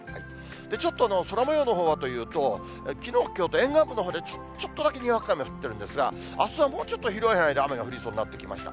ちょっと空もようのほうはというと、きのう、きょうと沿岸部のほうでちょっとだけにわか雨降ってるんですが、あすはもうちょっと広い範囲で、雨が降りそうになってきました。